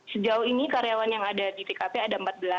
sejauh ini karyawan yang ada di tkp apakah sudah diperiksa